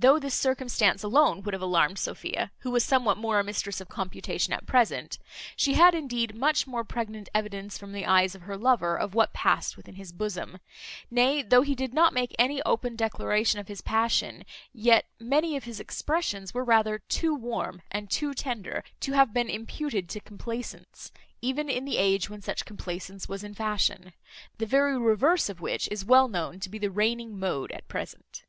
Though this circumstance alone would have alarmed Sophia, who was somewhat more a mistress of computation at present; she had indeed much more pregnant evidence from the eyes of her lover of what past within his bosom; nay, though he did not make any open declaration of his passion, yet many of his expressions were rather too warm, and too tender, to have been imputed to complacence, even in the age when such complacence was in fashion; the very reverse of which is well known to be the reigning mode at present.